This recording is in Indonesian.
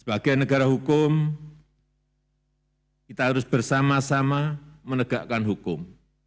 sebagai negara hukum kita harus bersama sama menegakkan hukum